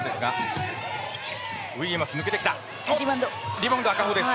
リバウンド、赤穂です。